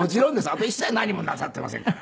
あと一切何もなさってませんから。